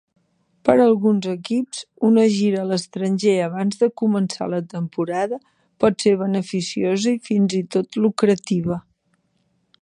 Per a alguns equips, una gira a l'estranger abans de començar la temporada pot ser beneficiosa, fins i tot lucrativa.